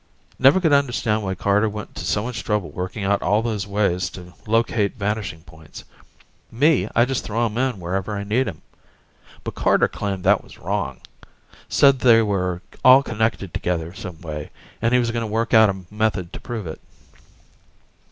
Never could understand why Carter went to so much trouble working out all those ways to locate vanishing points. Me, I just throw 'em in wherever I need 'em. But Carter claimed that was wrong. Said they were all connected together some way, and he was gonna work out a method to prove it.